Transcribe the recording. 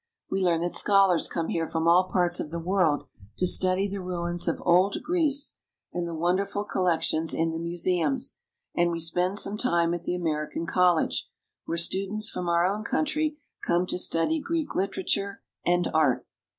We learn that scholars come here from all parts of the world to study the ruins of old Greece and the wonderful collections in the museums; and we spend some time at the American College, where students from our own country come to study Greek literature and art.